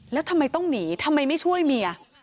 แล้วทำไมต้องหนีทำไมไม่ช่วยเมีย